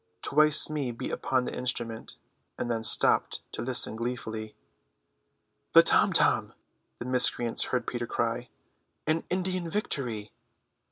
Twice Smee beat upon the instrument, and then stopped to listen gleefully. "The tom tom," the miscreants heard Peter cry; "an Indian victory!"